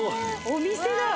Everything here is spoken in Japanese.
お店だわ。